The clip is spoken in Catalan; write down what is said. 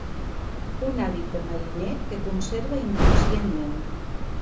Un hàbit de mariner que conserva inconscientment.